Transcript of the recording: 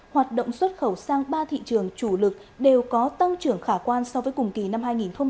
hoạt động xuất khẩu sang ba thị trường chủ lực đều có tăng trưởng khả quan so với cùng kỳ năm hai nghìn một mươi chín